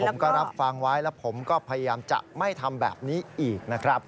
ผมก็รับฟังไว้แล้วผมก็พยายามจะไม่ทำแบบนี้อีกนะครับ